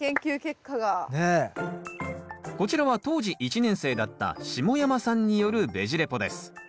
こちらは当時１年生だった下山さんによるベジ・レポです。